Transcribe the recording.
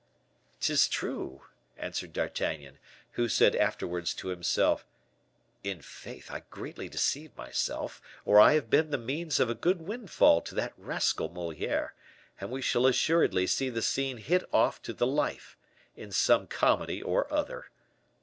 "'Tis true," answered D'Artagnan; who said afterwards to himself, "I'faith, I greatly deceive myself, or I have been the means of a good windfall to that rascal Moliere, and we shall assuredly see the scene hit off to the life in some comedy or other."